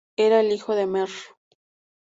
Era el hijo de Mr.